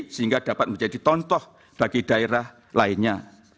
sehingga dapat menjadi contoh bagi daerah lainnya